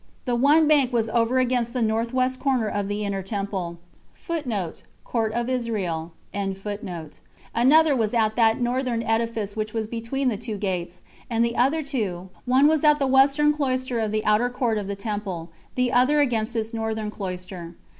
The one bank was over against the north west corner of the inner temple 13 another was at that northern edifice which was between the two gates; and of the other two, one was at the western cloister of the outer court of the temple; the other against its northern cloister.